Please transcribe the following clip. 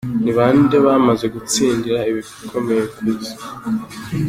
Ni bande bamaze gutsindira ibikombe vy'isi?.